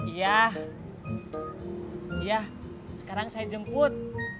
iya ya sekarang saya jemput